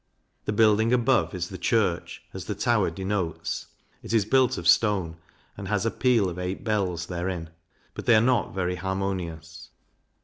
The building above is the Church, as the tower denotes; it is built of stone, and has a peal of eight bells therein, but they are not very harmonious.